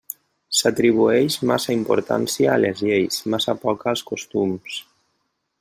S'atribueix massa importància a les lleis, massa poca als costums.